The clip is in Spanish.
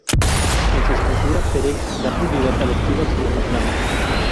En su escritura Perec da prioridad al estilo sobre la trama.